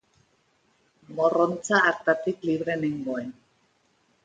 Morrontza hartatik libre nengoen.